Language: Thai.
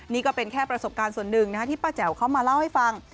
นี่ก็เป็นแค่ประสบการณ์ส่วนหนึ่งที่ป้าแจ๋วเขามาเล่าให้ฟัง